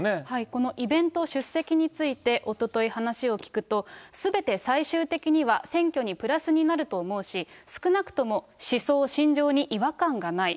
このイベント出席について、おととい話を聞くと、すべて最終的には選挙にプラスになると思うし、少なくとも思想信条に違和感がない。